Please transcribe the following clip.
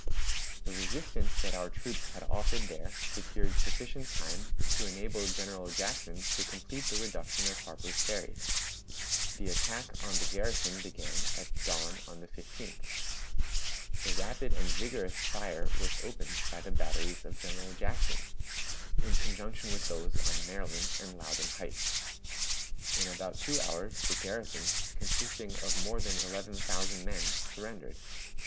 The resistance that our troops had offered there secured sufficient time to enable General Jackson to complete the reduction of Harper's Ferry. The attack on the garrison began at dawn on the 15th. A rapid and vigorous fire was opened by the batteries of General Jackson, in conjunction with those on Maryland and Loudon Heights. In about two hours, the garrison, consisting of more than eleven thousand men, surrendered.